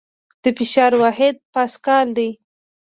د فشار واحد پاسکل دی.